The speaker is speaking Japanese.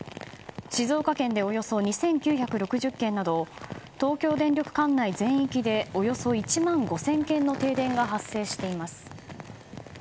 静岡県でおよそ２９６０軒など東京電力管内全域でおよそ１万５０００軒の停電が発生しています。